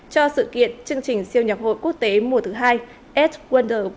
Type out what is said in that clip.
cho sự kiện chương trình siêu nhạc hội quốc tế mùa thứ hai edge wonder winter festival